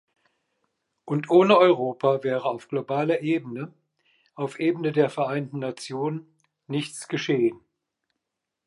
Und ohne Europa wäre auf globaler Ebene, auf Ebene der Vereinten Nationen, nichts geschehen.